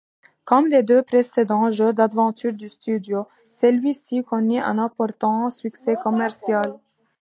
Comme les deux précédents jeux d’aventure du studio, celui-ci connait un important succès commercial.